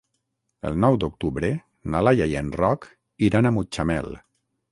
El nou d'octubre na Laia i en Roc iran a Mutxamel.